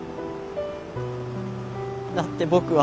だって僕は。